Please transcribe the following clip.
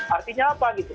artinya apa gitu